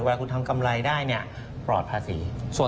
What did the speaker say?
เวลาคุณทำกำไรได้เนี่ยปลอดภาษี